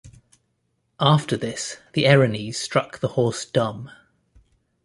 After this, the Erinyes struck the horse dumb.